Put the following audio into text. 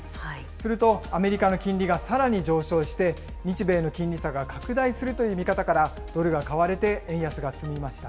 すると、アメリカの金利がさらに上昇して、日米の金利差が拡大するという見方から、ドルが買われて円安が進みました。